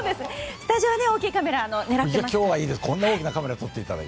スタジオは大きいカメラが狙っていますから。